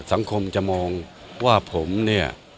สังคมจะมองว่าผมเนี่ย